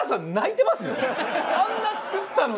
あんな作ったのに。